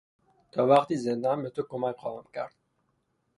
تا وقتی زندهام بهتو کمک خواهم کرد.